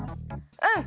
うん！